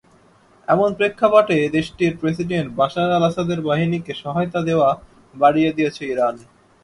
এমন প্রেক্ষাপটে দেশটির প্রেসিডেন্ট বাশার আল-আসাদের বাহিনীকে সহায়তা দেওয়া বাড়িয়ে দিয়েছে ইরান।